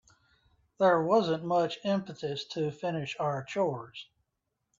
There wasn't much impetus to finish our chores.